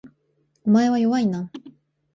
お前は弱いな